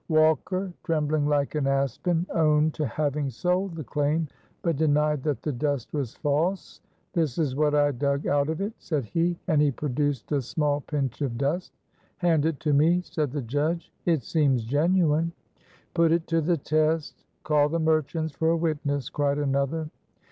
Walker, trembling like an aspen, owned to having sold the claim, but denied that the dust was false. "This is what I dug out of it," said he; and he produced a small pinch of dust. "Hand it to me," said the judge. "It seems genuine." "Put it to the test. Call the merchant for a witness," cried another.